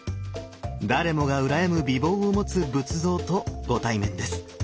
誰もが羨む美貌を持つ仏像とご対面です。